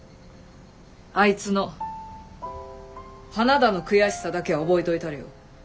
あいつの花田の悔しさだけは覚えといたれよ。